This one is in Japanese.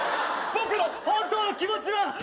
僕の本当の気持ちは。